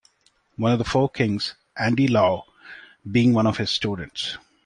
One of the four kings-Andy Lau, being one of his students.